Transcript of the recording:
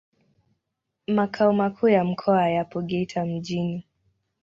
Makao makuu ya mkoa yapo Geita mjini.